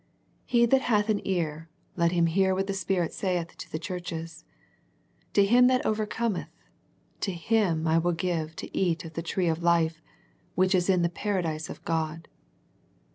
He that hath an ear, let him hear what the Spirit saith to the churches. To him that overcometh, to him will I give to eat of the tree of life, which is in the Paradise of God."